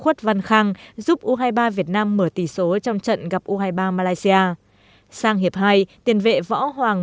u hai mươi ba việt nam giúp u hai mươi ba việt nam mở tỷ số trong trận gặp u hai mươi ba malaysia sang hiệp hai tiền vệ võ hoàng